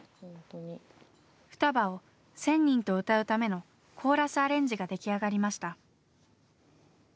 「双葉」を１，０００人と歌うためのコーラスアレンジが出来上がりました。